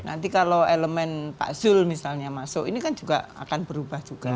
nanti kalau elemen pak zul misalnya masuk ini kan juga akan berubah juga